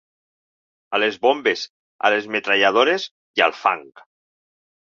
...a les bombes, a les metralladores i al fang.